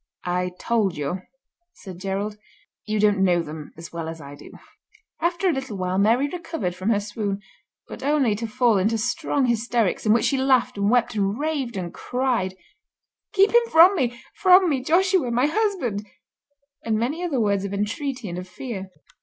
"I told you," said Gerald. "You don't know them as well as I do." After a little while Mary recovered from her swoon, but only to fall into strong hysterics, in which she laughed and wept and raved and cried, "Keep him from me—from me, Joshua, my husband," and many other words of entreaty and of fear.